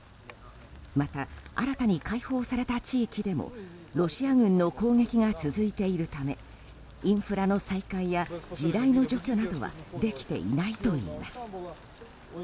また、新たに解放された地域でもロシア軍の攻撃が続いているためインフラの再開や地雷の除去などはできていないといいます。